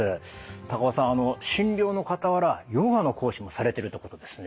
高尾さん診療の傍らヨガの講師もされてるってことですね。